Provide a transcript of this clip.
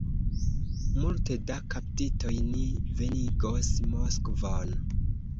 Multe da kaptitoj ni venigos Moskvon!